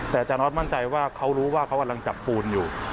แต่อาจารย์ออสมั่นใจว่าเขารู้ว่าเขากำลังจับปูนอยู่